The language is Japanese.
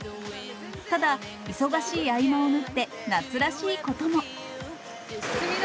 ただ、忙しい合間を縫って夏らしいことも。